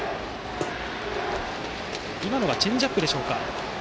今のはチェンジアップでしょうか。